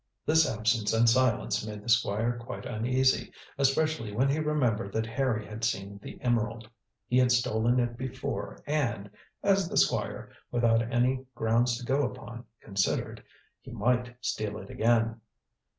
This absence and silence made the Squire quite uneasy, especially when he remembered that Harry had seen the emerald. He had stolen it before and as the Squire, without any grounds to go upon, considered he might steal it again.